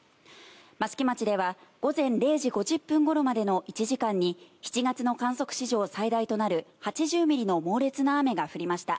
益城町では午前０時５０分ごろまでの１時間に、７月の観測史上最大となる８０ミリの猛烈な雨が降りました。